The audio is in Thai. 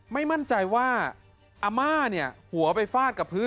ไม่มั่นใจว่าอาม่าเนี่ยหัวไปฟาดกับพื้น